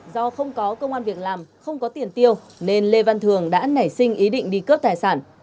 do không có công an việc làm không có tiền tiêu nên lê văn thường đã nảy sinh ý định đi cướp tài sản